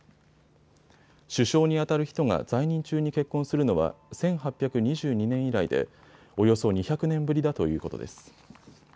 首相にあたる人が在任中に結婚するのは１８２２年以来でおよそ２００年ぶりだということです。